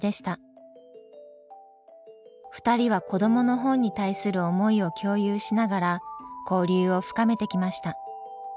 ２人は子どもの本に対する思いを共有しながら交流を深めてきました。